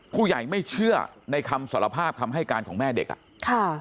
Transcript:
ผู้ใหญ่ไม่เชื่อในคำสารภาพคำให้การของแม่เด็กอ่ะค่ะ